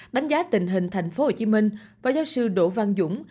đánh giá tình hình thành phố hồ chí minh báo giáo sư đỗ văn dũng